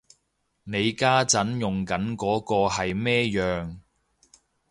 你家陣用緊嗰個係咩樣